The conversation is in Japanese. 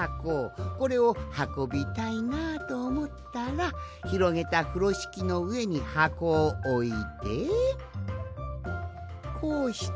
これをはこびたいなあとおもったらひろげたふろしきのうえにはこをおいてこうして。